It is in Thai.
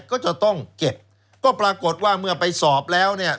ก็จะต้องเก็บก็ปรากฏว่าเมื่อไปสอบแล้วเนี่ย